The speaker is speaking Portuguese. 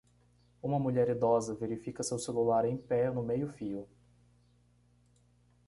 Uma mulher idosa verifica seu celular em pé no meio-fio.